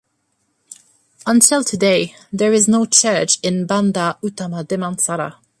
Until today, there is no church in Bandar Utama Damansara.